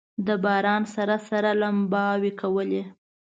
د باران سره سره لمباوې کولې.